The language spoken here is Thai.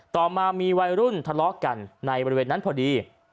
ต่อมามีวัยรุ่นทะเลาะกันในบริเวณนั้นพอดี